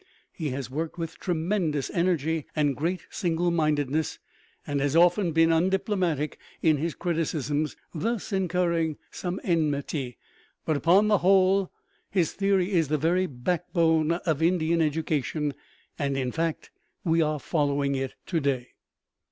He has worked with tremendous energy and great single mindedness, and has often been undiplomatic in his criticisms, thus incurring some enmity. But, upon the whole, his theory is the very backbone of Indian education, and in fact we are following it to day.